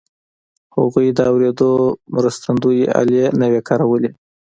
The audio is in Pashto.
هغوی د اورېدو مرستندويي الې نه وې کارولې